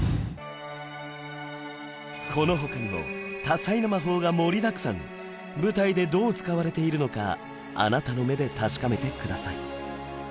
この他にも多彩な魔法が盛りだくさん舞台でどう使われているのかあなたの目で確かめてください